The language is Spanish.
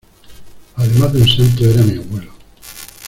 además de un santo, era mi abuelo.